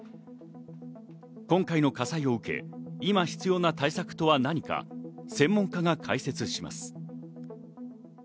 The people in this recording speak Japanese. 今回の火災を受け、今必要な対策とは何か専門家が解説します。